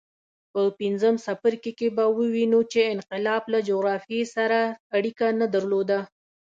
په پنځم څپرکي کې به ووینو چې انقلاب له جغرافیې سره اړیکه نه درلوده.